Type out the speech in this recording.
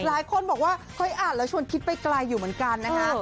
หลายคนบอกว่าเฮ้ยอ่านแล้วชวนคิดไปไกลอยู่เหมือนกันนะคะ